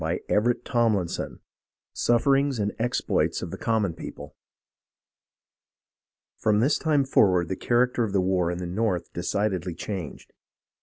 CHAPTER XXVII SUFFERINGS AND EXPLOITS OF THE COMMON PEOPLE From this time forward the character of the war in the north decidedly changed.